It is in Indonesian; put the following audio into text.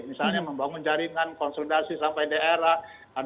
misalnya membangun jaringan konsolidasi sampai daerah